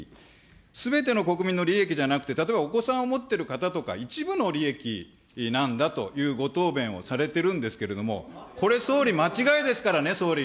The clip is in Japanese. すべての国民の利益じゃなくて、例えばお子さんを持っている方とか、一部の利益なんだというご答弁をされてるんですけれども、これ、総理、間違いですからね、総理。